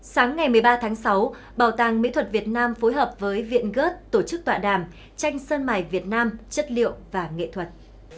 sáng ngày một mươi ba tháng sáu bảo tàng mỹ thuật việt nam phối hợp với viện gớt tổ chức tọa đàm tranh sơn mài việt nam chất liệu và nghệ thuật